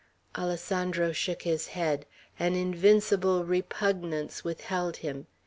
Alessandro shook his head. An invincible repugnance withheld him.